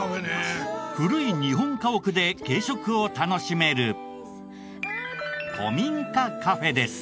古い日本家屋で軽食を楽しめる古民家カフェです。